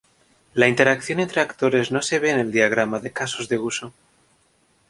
La interacción entre actores no se ve en el diagrama de casos de uso.